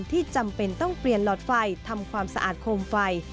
จำเป็นต้องเปลี่ยนหลอดไฟทำความสะอาดโคมไฟ